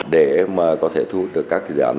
để mà có thể thu được các dự án